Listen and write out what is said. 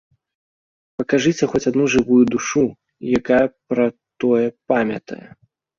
Пакажыце хоць адну жывую душу, якая пра тое памятае!